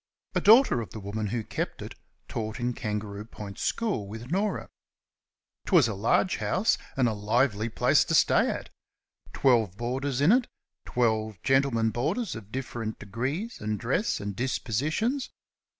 A daughter of the woman who kept it taught in Kangaroo Point school with Norah. 'T was a large house and a lively place to stay at. Twelve boarders in it; twelve gentlemen boarders of different degrees and dress and dispositions.